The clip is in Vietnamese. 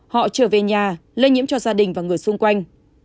họ trở về nhà lây nhiễm cho gia đình và người xung quanh